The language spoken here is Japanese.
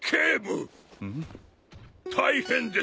大変です！